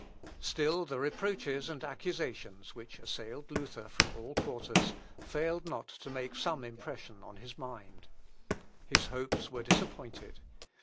Still the reproaches and accusations which assailed Luther from all quarters, failed not to make some impression on his mind. His hopes were disappointed.